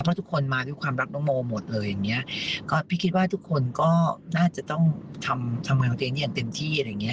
เพราะทุกคนมายู้ความรักพี่ก็คิดว่าทุกคนก็น่าจะต้องทำงานตื่นทีอย่างเต็มที่